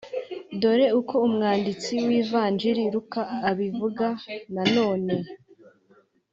Dore uko umwanditsi w’Ivanjili Luka abivuga na none